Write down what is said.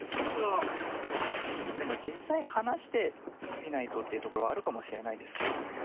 でも実際話してみないとっていうところはあるかもしれないですね。